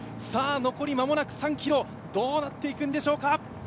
残り間もなく３ｋｍ、どうなっていくんでしょうか。